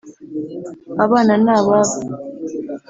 abana n’ababo